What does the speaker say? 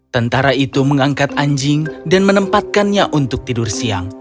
tentara itu mengangkat anjing dan menempatkannya untuk tidur siang